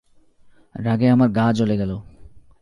রাগে আমার গা জ্বলে গেল।